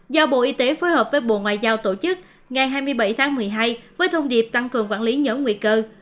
do bộ y tế phối hợp với bộ ngoại giao tổ chức ngày hai mươi bảy tháng một mươi hai với thông điệp tăng cường quản lý nhóm nguy cơ